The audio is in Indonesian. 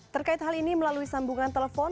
terkait hal ini melalui sambungan telepon